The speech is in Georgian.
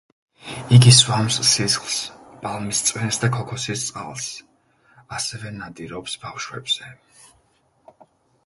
იგი სვამს სისხლს, პალმის წვენს და ქოქოსის წყალს; ასევე, ნადირობს ბავშვებზე.